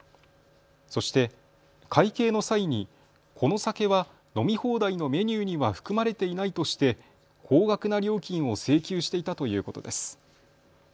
そして、会計の際にこの酒は飲み放題のメニューには含まれていないとして高額な料金を請求していたということです。